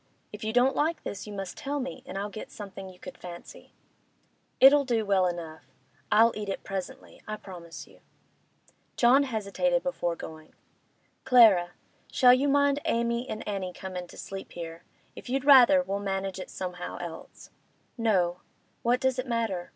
If you don't like this, you must tell me, and I'll get something you could fancy.' 'It'll do well enough. I'll eat it presently; I promise you.' John hesitated before going. 'Clara—shall you mind Amy and Annie comin' to sleep here? If you'd rather, we'll manage it somehow else.' 'No. What does it matter?